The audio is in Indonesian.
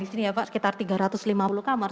sekitar tiga ratus lima puluh kamar